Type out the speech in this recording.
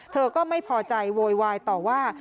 เธอก็ไม่พอใจโวยวายต่อว่า